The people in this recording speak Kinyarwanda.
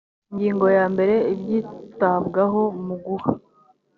ingingo ya mbere ibyitabwaho mu guha